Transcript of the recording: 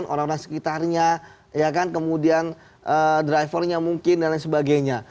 orang orang sekitarnya kemudian drivernya mungkin dan lain sebagainya